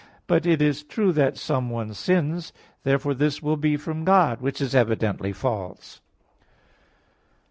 But it is true that someone sins. Therefore this will be from God; which is evidently false.